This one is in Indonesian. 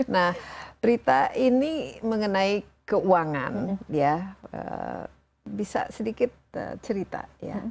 nah prita ini mengenai keuangan ya bisa sedikit cerita ya